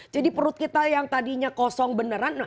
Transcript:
jadi perut kita yang tadinya kosong beneran